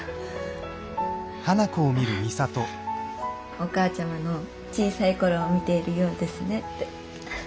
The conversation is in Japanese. お母ちゃまの小さい頃を見ているようですねって。